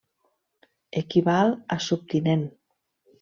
Equival al Subtinent.